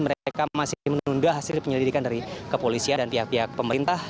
mereka masih menunda hasil penyelidikan dari kepolisian dan pihak pihak pemerintah